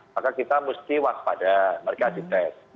maka kita mesti waspada mereka di tes